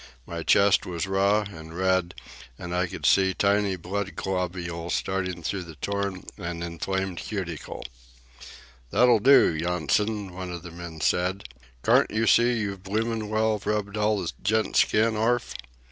My chest was raw and red, and I could see tiny blood globules starting through the torn and inflamed cuticle. "That'll do, Yonson," one of the men said. "Carn't yer see you've bloomin' well rubbed all the gent's skin orf?"